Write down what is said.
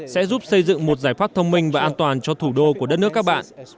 sẽ giúp xây dựng một giải pháp thông minh và an toàn cho thủ đô của đất nước các bạn